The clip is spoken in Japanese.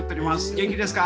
元気ですか？